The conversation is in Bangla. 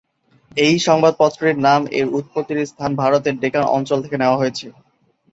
এই সংবাদপত্রটির নাম এর উৎপত্তির স্থান ভারতের ডেকান অঞ্চল থেকে নেওয়া হয়েছে।